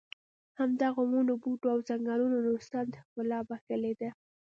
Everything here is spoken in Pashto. همدغو ونو بوټو او ځنګلونو نورستان ته ښکلا بښلې ده.